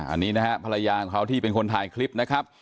อันนี้นะฮะภรรยาของเขาที่เป็นคนถ่ายคลิปนะครับ